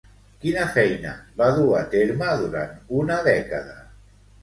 Quina feina va dur a terme durant una dècada?